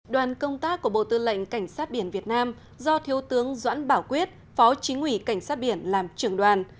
đoàn công tác của bộ tư lệnh cảnh sát biển việt nam do thiếu tướng doãn bảo quyết phó chính ủy cảnh sát biển làm trưởng đoàn